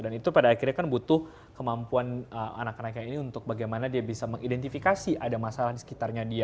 dan itu pada akhirnya kan butuh kemampuan anak anaknya ini untuk bagaimana dia bisa mengidentifikasi ada masalah di sekitarnya dia